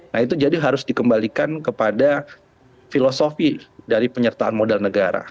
nah itu jadi harus dikembalikan kepada filosofi dari penyertaan modal negara